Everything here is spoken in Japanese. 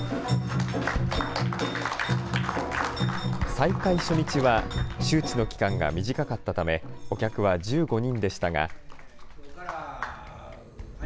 再開初日は、周知の期間が短かったため、お客は１５人でしたが。